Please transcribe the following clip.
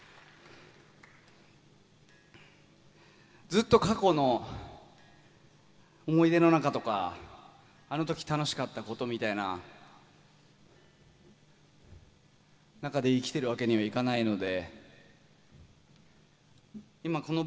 ずっと過去の思い出の中とかあの時楽しかったことみたいな中で生きてるわけにはいかないので今この場から現役のバンドに戻ります。